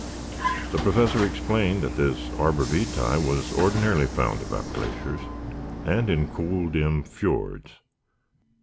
The Professor explained that this arborvitæ was ordinarily found about glaciers, and in cool, dim fiords.